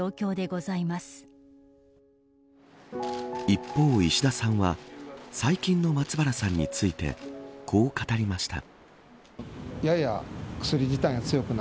一方、石田さんは最近の松原さんについてこう語りました。